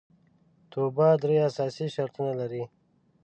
توبه درې اساسي شرطونه لري